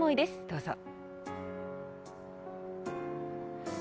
どうぞ。